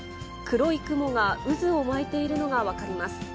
黒い雲が渦を巻いているのが分かります。